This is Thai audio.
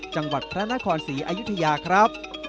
จังหวัดพระนครศรีอยุธยาครับ